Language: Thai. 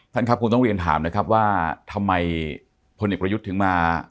ครับคงต้องเรียนถามนะครับว่าทำไมพลเอกประยุทธ์ถึงมา